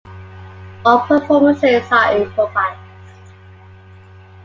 All performances are improvised.